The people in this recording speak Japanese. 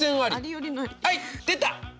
はい出た！